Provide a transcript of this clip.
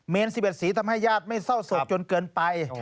เมนท์๑๗สีทำให้ญาติไม่เศร้าสกจนเกินไป